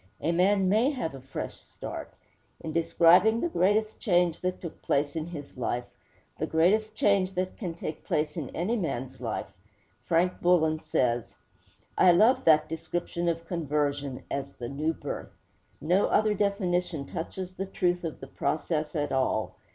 A man may have a fresh start. In describing the greatest change that took place in his life the greatest change that can take place in any man's life Frank Bullen says: 'I love that description of conversion as the "new birth." No other definition touches the truth of the process at all.